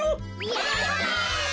やった！